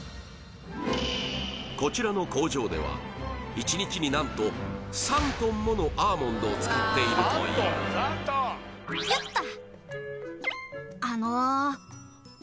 こちらの工場では１日に何と３トンものアーモンドを使っているという「よっと」